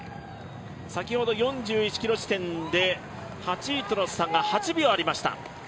先ほど４１ｋｍ地点で８位との差が８秒ありました。